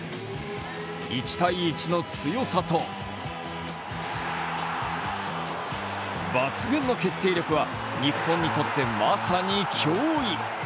１対１の強さと抜群の決定力は日本にとってまさに脅威。